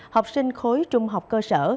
học sinh khối trung học cơ sở